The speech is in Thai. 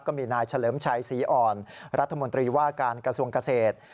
ก็มีนายเฉลิมชัยศรีอ่อนรัฐมนตรีว่าการกระทรวงเกษตร